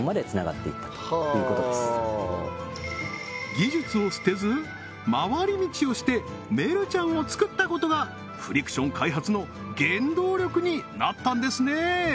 技術を捨てずまわり道をしてメルちゃんを作ったことがフリクション開発の原動力になったんですね！